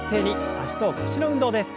脚と腰の運動です。